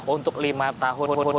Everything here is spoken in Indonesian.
untuk lima tahun